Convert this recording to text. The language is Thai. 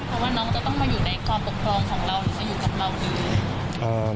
เพราะว่าน้องจะต้องมาอยู่ในความปกครองของเราหรือมาอยู่กับเราดี